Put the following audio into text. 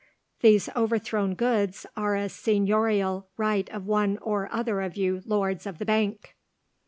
These overthrown goods are a seignorial right of one or other of you lords of the bank."